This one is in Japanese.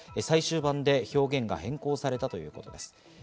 最終盤で表現が変更されたということです。